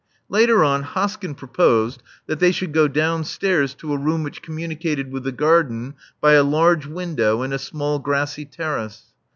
Later on, Hoskyn proposed that they should go downstairs to a room which communicated with the garden by a large window and a small grassy terrace.